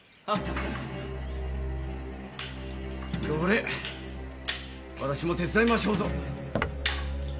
どれ私も手伝いましょうぞ。